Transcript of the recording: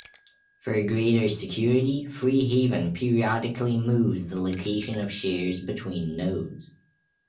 For greater security, Free Haven periodically moves the location of shares between nodes.